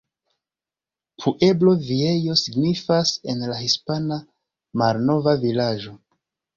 Pueblo Viejo signifas en la hispana "Malnova vilaĝo".